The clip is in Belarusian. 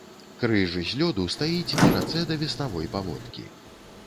Крыж з лёду стаіць на рацэ да веснавой паводкі.